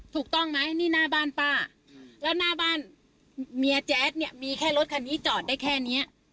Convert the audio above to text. ถูกต้องไหมนี่หน้าบ้านป้าแล้วหน้าบ้านเมียแจ๊ดเนี่ยมีแค่รถคันนี้จอดได้แค่เนี้ย